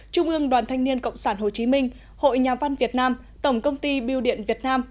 trung ương đoàn thanh niên cộng sản hồ chí minh hội nhà văn việt nam tổng công ty biêu điện việt nam